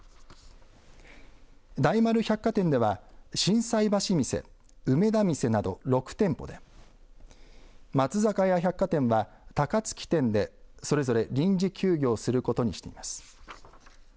大丸百貨店では心斎橋店、梅田店など６店舗で、松坂屋百貨店は高槻店でそれぞれ臨時休業することにしています。